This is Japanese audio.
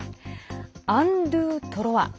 アン・ドゥー・トロワ。